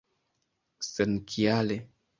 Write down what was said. senkiale